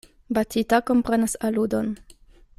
Batita komprenas aludon.